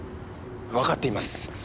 わかっています。